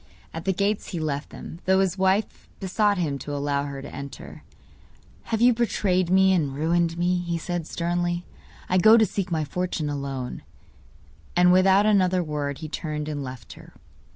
At the gates he left them, though his wife besought him to allow her to enter. 'You have betrayed me and ruined me,' he said sternly; 'I go to seek my fortune alone.' And without another word he turned and left her.